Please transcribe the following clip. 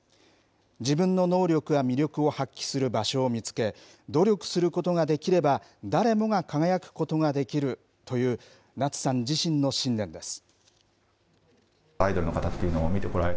自分の能力や魅力を発揮する場所を見つけ、努力することができれば、誰もが輝くことができるという、夏さん自身の信念です。